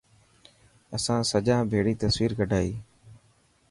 اسان سجان ڀيڙي تصويرو ڪڌائي.